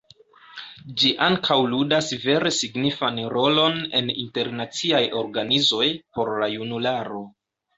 Ĝi ankaŭ ludas vere signifan rolon en internaciaj organizoj por la junularo.